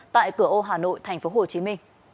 tại cửa ô hà nội tp hcm